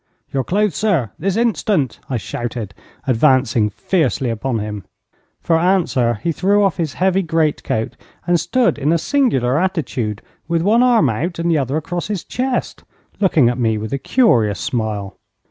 'Your clothes, sir, this instant!' I shouted, advancing fiercely upon him. For answer he threw off his heavy great coat, and stood in a singular attitude, with one arm out, and the other across his chest, looking at me with a curious smile.